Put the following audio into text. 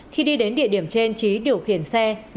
khi đi đến địa điểm trên trí điều khiển xe lấn chạy